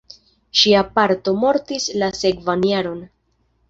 Ŝia patro mortis la sekvan jaron.